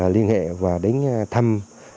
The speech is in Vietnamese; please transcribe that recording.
liên hệ và đến thăm